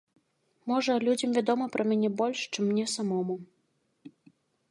Можа, людзям вядома пра мяне больш, чым мне самому.